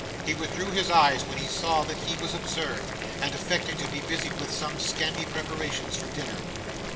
He withdrew his eyes when he saw that he was observed, and affected to be busied with some scanty preparations for dinner.